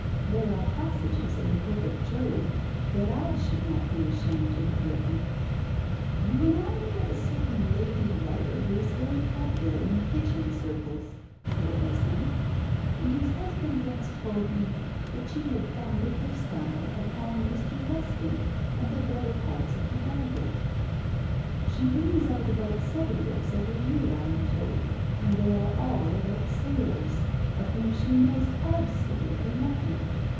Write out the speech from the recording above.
There are passages in the Book of Job that I should not be ashamed to have written." "You remind me of a certain lady writer who is very popular in kitchen circles," said Esmé, "and whose husband once told me that she had founded her style upon Mr. Ruskin and the better parts of the Bible. She brings out about seven books every year, I am told, and they are all about sailors, of whom she knows absolutely nothing.